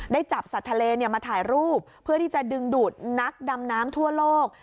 จับสัตว์ทะเลมาถ่ายรูปเพื่อที่จะดึงดูดนักดำน้ำทั่วโลก